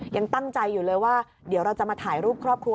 ยังตั้งใจอยู่เลยว่าเดี๋ยวเราจะมาถ่ายรูปครอบครัว